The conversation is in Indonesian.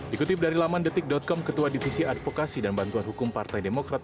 dikutip dari laman detik com ketua divisi advokasi dan bantuan hukum partai demokrat